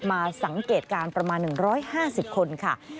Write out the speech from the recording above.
มาสังเกตการณ์ประมาณ๑๕๐คนค่ะ